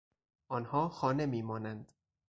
آنها خانه میمانند.